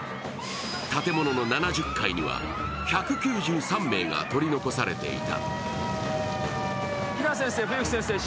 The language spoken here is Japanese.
建物の７０階には１９３名が取り残されていた。